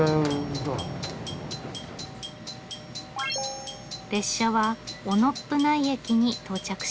列車は雄信内駅に到着しました。